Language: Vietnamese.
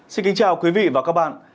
xin kính chào quý vị và các bạn